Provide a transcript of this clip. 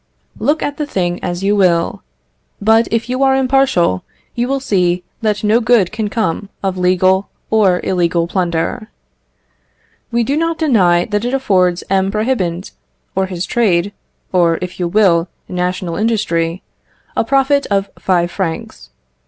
Look at the thing as you will; but if you are impartial, you will see that no good can come of legal or illegal plunder. We do not deny that it affords M. Prohibant, or his trade, or, if you will, national industry, a profit of five francs.